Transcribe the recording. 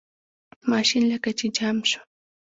ماشین لکه چې جام شو.